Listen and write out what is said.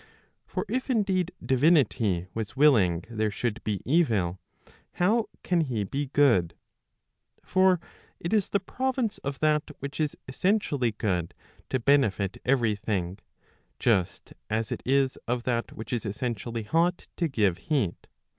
For if indeed divinity was willing there should be evil, how can he be good ? For it is the province of that which is essentially good to benefit every thing, just as it is of that which is essentially hot, to give heat.